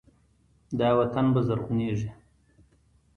دا وطن به زرغونیږي.